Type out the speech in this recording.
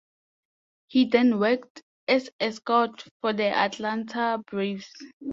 He then worked as a scout for the Atlanta Braves.